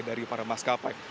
dari para maskapai